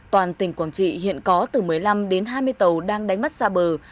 toàn tỉnh quảng trị hiện có từ một mươi năm đến hai mươi tàu đang đánh bắt xa bờ